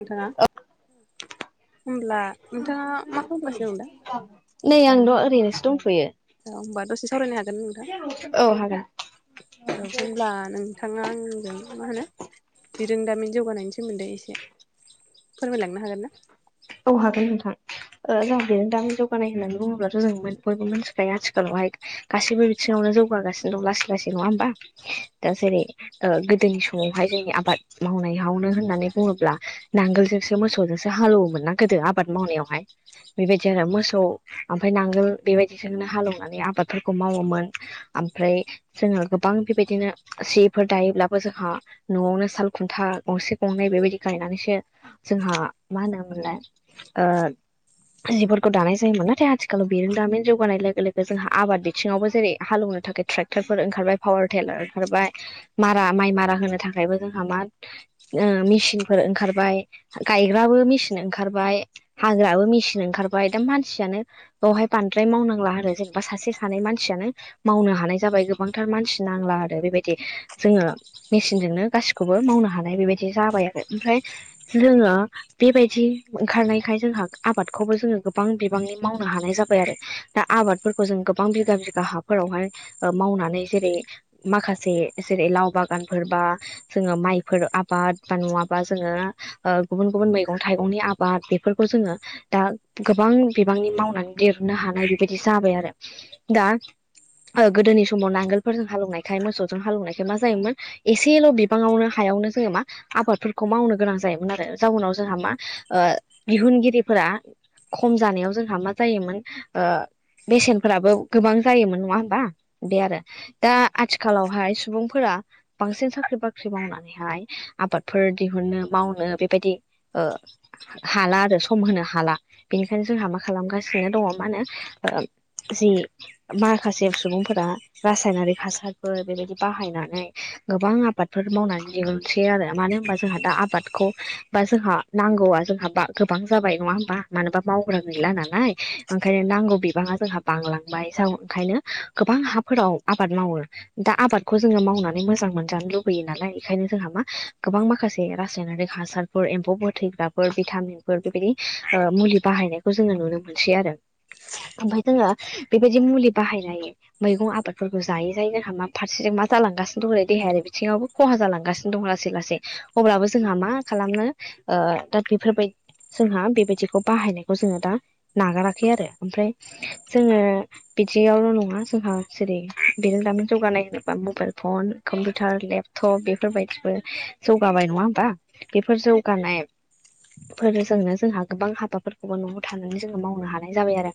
नोंथाङा होमब्ला नोंथाङा मा खालामगासिनो दं दा। नै आंद' ओरैनोसो दंथ'यो। औ होमबा दसे सावरायनो हागोन नोंथां। औ हागोन औ होनब्ला नों थाङा आंजों मा होनो बिरोंदामिन जौगानायनि सोमोन्दै इसे फोरमायलांनो हागोनना। औ हागोन नोंथां ओ जोंङा बिरोंदामिन जौगानाय होननानै बुङोब्ला जों [unintelligible] बयबो मिथिखायो आथिखालावहाय। गासैबो बिथिङावनो जौगागासिनो दं लासै - लासै नङा होमबा। दा जेरै ओ गोदोनि समावहाय जोंनि आबाद मावनायावनो होननानै बुङोब्ला नांगोल जोंसो मोसौजोंसो हाल एवोमोन ना गोदो आबाद मावनायावहाय। बेबायदि आरो मोसौ ओमफ्राय नांगोल बेबायदिजोंनो हाल एवनानै आबादफोरखौ मावोमोन। ओमफ्राय जोङो गोबां बेबायदिनो सिफोर दायोब्लाबो जोंहा न'आवनो साल खुन्था गंसे गंनै बेबायदि गायनानैसो जोंहा मा होनोमोनलाय ओ जिफोरखौ दानाय जायोमोन। नाथाय आथिखालाव बिरोंदामिन जौगानाय लोगो-लोगो जोंहा आबाद बिथिङावबो जेरै हाल एवनो थाखाय ट्रेक्टरफोर ओंखारबाय पावार टिलार ओंखारबाय मारा माइ मारा होनो थाखायबो जोंहा मा ओ मेचिनफोर ओंखारबाय गायग्राबो मेसिन ओं ओंखारबाय हाग्राबो मेसिन ओंखारबाय दा मानसियानो बेवहाय बांद्राय मावनांला आरो जेनेबा सासे सानै मानसियानो मावनो हानाय जाबाय गोबांथार मानसि नांला आरो बेबायदि जोङो मेसिनजोंनो गासिखौबो मावनो हानाय बेबायदि जाबाय आरो ओमफ्राय जोङो बेबायदि ओंखारनायखाय जोंहा आबादखौबो जोङो गोबां बिबांनि मावनो हानाय जाबाय आरो। दा आबादफोरखौ जों गोबां बिगा बिगा हाफोरावहाय मावनानै जेरै माखासे जेरै लाव बागानफोरबा जोङो माइफोर आबाद बा नङाबा जोङो ओ गुबुन-गुबुन मैगं थाइगंनि आब बा बेफोरखौ जोङो दा गोबां बिबांनि मावनानै दिरुननो हानाय बेबायदि जाबाय आरो। दा गोदोनि समाव नांगोलफोरजों हालौनायखाय मोसौजों हालौनायखाय मा जायोमोन एसेल' बिबाङावनो हायावनो जोङो मा आबादफोरखौ मावनो गोनां जायोमोन आरो जाउनाव जोंहा मा ओ दिहुनगिरिफोरा खम जानायाव जोंहा मा जायोमोन ओ बेसेनफोराबो गोबां जायोमोन नङा होनबा बे आरो। दा आथिखालावहाय सुबुंफोरा बांसिन साख्रि बाख्रि मावनानैहाय आबादफोर दिहुनो मावनो बेबायदि ओ हाला आरो सम होनो हाला। बेनिखायनो जोंहा मा खालामगासिनो दङ मा होनो जि माखासे सुबुंफोरा रासायनारि हासारफोर बेबायदि बाहायनानै गोबां आबादफोर मावनानै [unintelligible] सै आरो मानो होनबा जोंहा दा आबादखौ बा जोंहा नांगोल [unintelligible] जोंहा गोबां जाबाय नङा होमबा मानोना मावग्रा गैला नालाय ओंखायनो नांगौ बिबाङा जोंहा बांलांबाय जा ओंखायनो गोबां हाफोराव आबाद मावो। दा आबादखौ जोङो मावनानै मोजां मोनजानो लुबैयो नालाय बेखायनो जोंहा मा गोबां माखासे रासायनारिक हासार फोर एमफौ फोथैग्रा भिटामिन फोर बेबायदि मुलि बाहायनायखौ जोङो नुनो मोनसै आरो। ओमफ्राय जोङो बेबायदि मुलि बाहाय लायो। मैगं आबादफोरखौ जायै जायै जोंहा मा फारसेजों मा जालांगासिनो दंलै देहायारि बिथिङावबो खहा जालांगासिनो दं लासै लासै अब्लाबो जोंहा मा खालामनो दा बेफोरबाय जोंहा बेबायदिखौ बाहायनायखौ जोङो दा नागाराखै आरो ओमफ्राय जोङो बिदियावल' नङा जोंहा जेरै--बेजों दामिन जौगानाय होनोबा मबाइल फन कम्पिउटार लेपतप थ' बेफोरबायदिबो जौगाबाय नङा होमबा बेफोर जौगानाय फोरजोंनो जोंहा गोबां हाबाफोरखौबो न'आव थानानै जोङो मावनो हानाय जाबाय आरो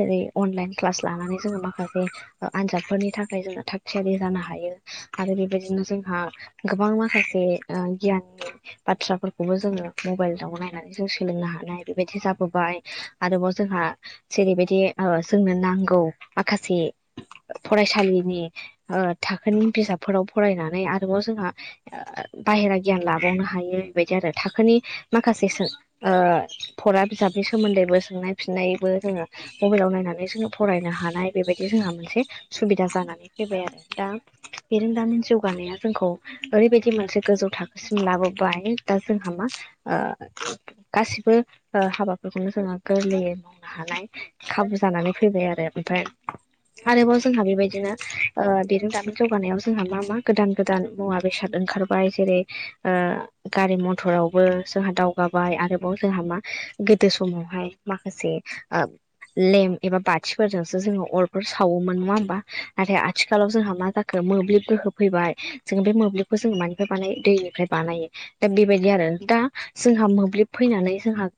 जेरै--अनलाइन क्लास लानानै जोङो माखासे आनजादफोरनि थाखाय जोङो थाग थियारि जानो हायो आरो बेबायदिनो जोंहा गोबां माखासे गियाननि बाथ्राफोरखौबो जोङो मबाइलाव नायनानै जों सोलोंनो हानाय बेबायदि जाबोबाय आरोबाव जोंहा जेरैबायदि जोंनो नांगौ माखासे फरायसालिनि ओ थाखोनि बिजाबफोराव फरायनानै आरोबाव जोंहा बाहेरा गियान लाबावनो हायो बेबायदि आरो थाखोनि माखासे फरा बिजाबनि सोमोन्दैबो सोंनाय फिन्नायबो जोङो मबाइलाव नायनानै जोङो फरायनो हानाय बेबायदि जोंहा मोनसे सुबिदा जानानै फैबाय आरो दा बेरोंदामिन जौगानाया जोंखौ ओरैबायदि मोनसे गोजौ थाखोसिम लाबोबाय दा जोंहा मा ओ गासिबो हाबाफोरखौनो जोङो गोरलैयै हानाय खाबु जानानै फैबाय आरो ओमफ्राय आरोबाव जोंहा बेबायदिनो बिरोंदामिन जौगानायाव जोंहा मा मा गोदान गोदान मुवा बेसाद ओंखार बाय जेरै--गारि मथरावबो जोंहा दावगाबाय आरोबाव जोंहा मा गोदो समावहाय माखासे लेम एबा बाथिफोरजोंसो जोङो अरफोर सावोमोन नङा होमबा नाथाय आथिखालाव जोंहा मा जा मोब्लिब गोहो फैबाय जोङो बे मोब्लिबखौ जोङो मानिफ्राय बानायो दैनिफ्राय बानायो। दा बेबायदि आरो दा जोंहा मोब्लिब फैनानै जोंहा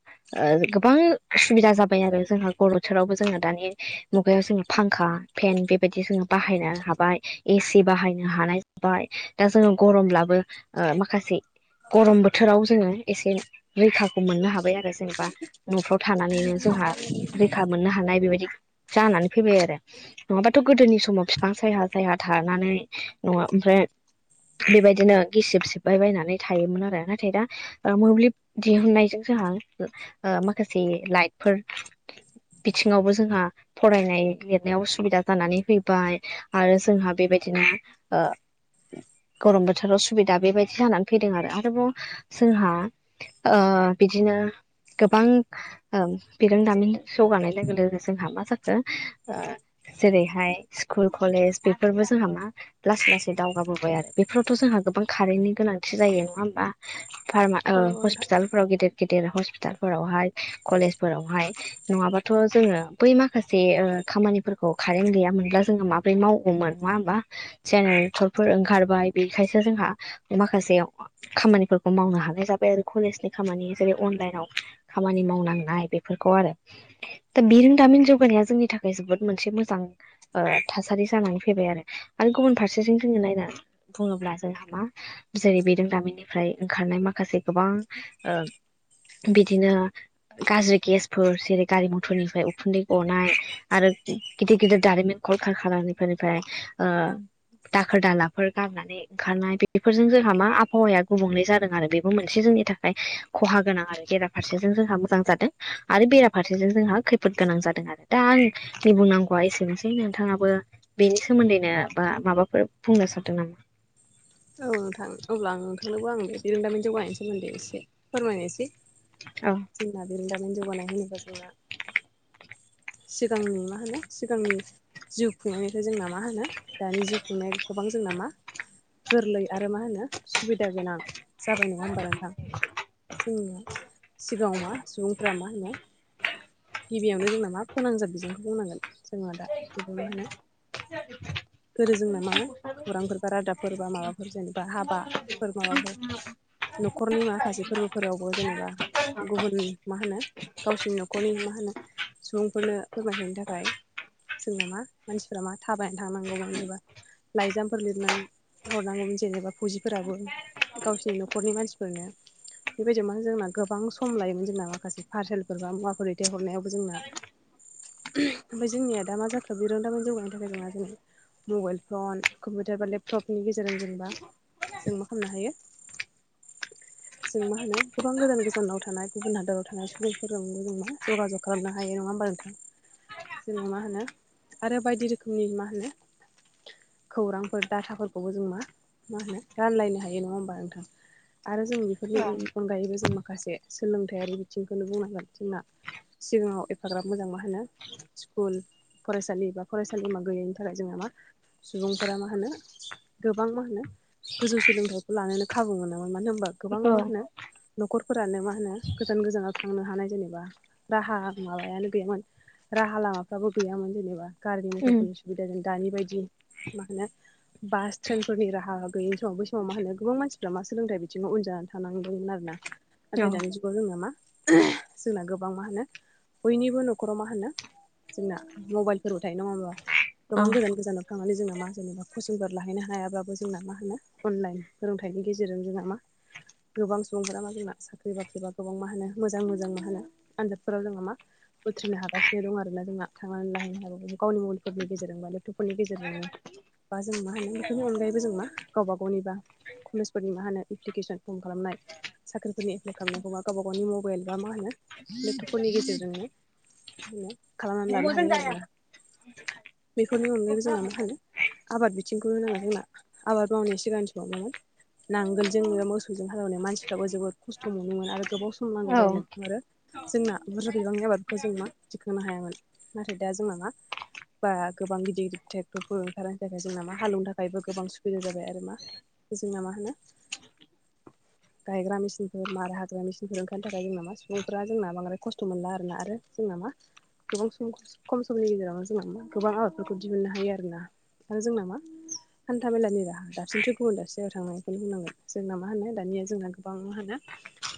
गोबां सुबिदा जाबाय आरो जोंहा गरम बोथोरावबो जोङो दानि मुगायाव जोङो फांखा फेन बेबायदि जोङो बाहायनो हाबाय एसि बाहायनो हानाय जाबाय दा जोङो गरमब्लाबो माखासे गरम बोथोराव जोङो एसे रैखाखौ मोननो हाबाय आरो जेनबा न'फ्राव थानानैनो जोंहा रैखा मोननो हानाय बेबायदि जानानै फैबाय आरो। नङाबाथ' गोदोनि समाव बिफां सायहा सायहा थानानै ओमफ्राय बेबायदिनो गिसिब सिबबाय बायनानै थायोमोन आरो नाथाय दा मोब्लिब दिहुनायजों जोंहा माखासे लाइटफोर बिथिङावबो जोंहा फरायनाय लिरनायाव उसुबिदा जानानै फैबाय आरो जोंहा बेबायदिनो ओ गरम बोथोराव सुबिदा बेबायदि जानानै फैदों आरो आरोबाव जोंहा बिदिनो गोबां बिरोंदामिन जौगानाय लोगो लोगो जोंहा मा जाखो जेरैहाय स्कुल कलेज बेफोरबो जोंहा मा लासै लासै दावगाबोबाय आरो बेफोरावथ' जोंहा गोबां खारेन्टनि गोनांथि जायो नङा होमबा फार्मा औ नंगौ नोंथां। हस्पिटालफोराव गेदिर गेदिर हस्पिटालफोरावहाय कलेजफोरावहाय नङाबाथ' जोङो बै माखासे ओ खामानिफोरखौ खारेन्ट गैयामब्ला जोङो मा फ्राय मावगौमोन मा होमबा जेनेरेथरफोर ओंखारबाय बेखायसो जोंहा माखासे खामानिफोर मावनो हानाय जाबाय आरो कलेजनि खामानि जेरै अनलाइनाव खामानि मावनांनाय बेफोरखौ आरो दा बिरोंदामिन जौगानाया जोंनि थाखाय जोबोद मोनसे मोजां ओ थासारि जानानै फैबाय आरो आरो गुबुन फारसेजों जोङो नायनानै बुङोब्ला जोंहा मा जेरै बिरोंदामिननिफ्राय ओंखारनाय माखासे गोबां ओ बिदिनो गाज्रि गेसफोर जेरै गारि मथरनिफ्राय उखुन्दै गनाय आरो गिदिर गिदिर दारिमिन कल कारखानाफोरनिफ्राय ओ दाखोर दालाफोर गारनानै ओंखारनाय बेफोरजों जोंहा मा आबहावाया गुबुंले जादों आरो बेबो मोनसे जोंनि थाखाय खहा गोनां आरो बेरा फारसेजों जोंहा मोजां जादों आरो बेराफारसेजों जोंहा खैफोद गोनां जादों आरो दा आं आंनि बुंनांगौआ एसेनोसै नोंथाङाबो बेनि सोमोन्दैनो बा माबाफोर बुंनो सानदों नामा? औ नोंथां अब्ला आं नोंथांनोबो आं बिरोंदामिन जौगानायनि सोमोन्दै एसे फोरमायनोसै औ जोंना बिरोंदामिन जौगानाय होनोबा जोंना सिगांनि मा होनो सिगांनि जिउ खुंनायनिफ्राय जोंना मा होनो दानि जिउ खुंनाया गोबां जोंना मा गोरलै आरो मा होनो सुबिदा गोनां जाबाय नङा होमबा नोंथां जोंनिया सिगाङाव मा सुबुंफ्रा मा होनो गिबियावनो जोंना मा फोनांजाब बिजोंखौ बुंनांगोन जोङा दा बेबो मा होनो [unintelligible] गोदो जोंना मामोन खौरांफोरबा रादाब फोरबा माबाफोर जेनेबा हाबाफोर माबाफोर न'खरनि माखासे फोरबोफोरावबो जेनेबा गुबुन मा होनो गावसिनि न'खरनि मा होनो सुबुंफोरनो फोरमायहैनो थाखाय जोंना मा मानसिफ्रा मा थाबायनानै थांनांगौमोन लाइजामफोर लिरनानै हरनांगौमोन जेनेबा फौजिफोराबो गावसिनि न'खरनि मानसिफोरनो बेबायदि मा जोंना गोबां सम लायोमोन जोंना माखासे पार्सेलफोर बा मुवाफोर दैहरनायावबो जोंना [unintelligible] ओमफाय जोंनिया दा मा जाखो बिरोंदामिन जौगानाो थाखाय नोंङा जेनै मबाइल फन कम्पिउटार बा लेप थप नि गेजेरजों जेनेबा जों मा खालामनो हायो जों मा होनो गोबां गोजान गोजानाव थानाय गुबुन हादोराव थानाय सुबुंफोरजों जों मा जगाजग खालामनो हायो नङा होमबा नोंथां जोङो मा होनो आरो बायदि रोखोमनि मा होनो खौरांफोर डाथाफोरखौबो जों मा मा होनो रानलायनो हायो नङा होमबा नोंथां आरो जों बिफोरनि औ अनगायैबो जों माखासे सोलोंथायारि बिथिंखौनो बुंनांगोन जोंना सिगाङाव एफाग्राब मोजां मा होनो स्कुल फरायसालि बा फरायसालिमा गैयैनि थाखाय जोंहा मा सुबुंफोरा मा होनो गोबां मा होनो गोजौ सोलोंथाइखौ लानोनो खाबु मोनामोन। मानो होनबा गोबां औ मा होनो न'खरफोरानो मा होनो गोजान गोजानाव थांनो हानाय जेनेबा राहा माबायानो गैयामोन। राहा लामाफ्राबो गैयामोन जेनेबा गारि मथरफोरनि सुबिदाजों दानि बायदि मा होनो बास ट्रेनफोरनि राहा गैयि नि समाव बै समाव मा होनो गोबां मानसिफ्रा मा सोलोंथाइ बिथिंङाव उन जाना थानांदोंमोन आरो ना नाथाय दानि जु जों मा जोंना गोबां मा होनो बयनिबो न'खराव मा होनो जोंना मबाइलफोराव थायो नंङा होमबा गोबां गोजान गोजानाव थांनानै जोंना मा जेनेबा कचिंफोर लाहैनो हायाबाबो जोंना मा होनो अनलाइन फोरोंथाइनि गेजेरजों जोंहा मा गोबां सुबुंफोरा मा जोंना साख्रि बाख्रिबा गोबां मा होनो मोजां मोजां मा होनो आन्जादफोराव जोङो मा उथ्रिनो हागासिनो दं आर ना जोंना थांनानै लाहैनो हायाब्लाबो गावनि मबाइलफोरनि गेजेरजों बा लेपटपफोरनि गेजेरजोंनो। बा जों मा होनो बेफोरनि अनगायैबो जों मा गावबा गावनि कलेजफोरनि मा होनो एप्लिकेसन फर्म खालामनाय। साख्रिफोरनि एप्लाइ खालामनायखौबा गावबा गावनि मबाइल बा मा होनो लेपटपफोरनि गेजेरजोंनो बिनो खालामनानै लानो हायो आरोना। बेफोरनि अनगायैबो जोंना मा हानो आबाद बिथिंखौ होन जोंना आबाद मावनाया सिगांनि समाव मामोन नांगोलजों मोसौजों हालौनाय मानसिफ्राबो जोबोद खस्थ' मोनोमोन आरो गोबाव सम नांगौ जायोमोन आरो जोंना बुरजा बिबांनि आबादखौ जों मा दिखांनो हायामोन। नाथाय दा जोंना मा बा गोबां गिदिर गिदिर ट्रेक्टरफोर खारनि थाखाय जोंना मा हालेवनो थाखायबो गोबां सुबिदा जाबाय आरो मा। जोंना मा होनो [inaudible] गायग्रा मेसिनफोर मार हाग्रा मेसिनफोर ओंखारनो थाखाय जोंना मा सुबुंफोरा जोंना बांद्राय खस्थ' मोनला आरोना आरो जोंना मा गोबां सम खम समनि गेजेरावनो जोंहा मा गोबां आबादफोरखौ दिहुननो हायो आरोना। आरो जोंना मा हान्था मेलानि राहा दाबसिनिस्रु गुबुन दाबसेयाव थांनायखौनो बुंनांगोन जोंना मा होनो दानिया जोंना गोबां मा होनो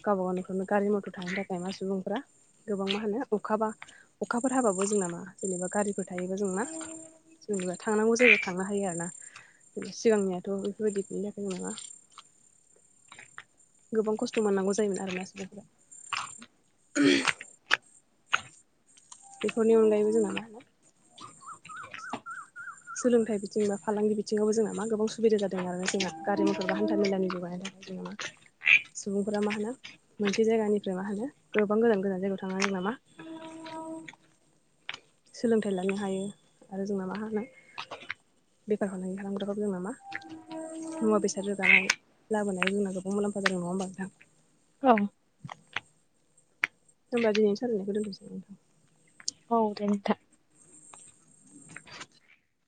गावबा गाव न'फ्रावनो गारि मथर थनि थाखाय मा सुबुंफ्रा गोबां मा होनो अखा बा अखाफोर हाबाबो जों नामा जेनेबा गारिफोर थायोबा जोंना जेनेबा थांनांगौ जायगायाव थांनो हायो आरो ना। सिगांनियाथ' बेफोरबायदिनि थाखाय नङा गोबां खस्थ' मोननांगौ जायोमोन आरो ना सुबुंफोरा [unintelligible] बेफोरनि अनगायैबो जोंना मा होनो सोलोंथाइ बिथिं बा फालांगि बिथिङावबो जोंना मा गोबां सुबिदा जादों आरो जोंहा। गारि मथर बा हान्थ मेलानि जुगानि थाखाय [unintelligible] सुबुंफोरा मा होनो मोनसे जायगानिफ्राय मा होनो गोबां गोजान गोजान जायगायाव थांना जोंना मा सोलोंथाइ लानो हायो आरो जोंना मा होनो। बेफार फालांगि खालामग्राखौ जोंना मा मुवा बेसाद रोगानाय लाबोनाय जों गोबां मुलामफा जादों नङा होमबा नोंथां। औ। होमबा दिनैनो सावरानायखौ दानथनोसै नोंथां। औ दे नोंथां।